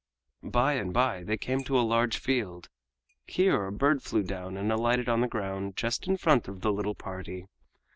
By and by they came to a large field. Here a bird flew down and alighted on the ground just in front of the little party.